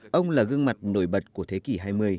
ông là gương mặt nổi bật của thế kỷ hai mươi